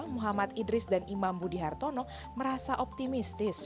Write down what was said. muhammad idris dan imam budi hartono merasa optimistis